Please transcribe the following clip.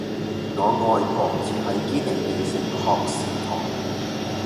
我外婆住喺堅尼地城學士臺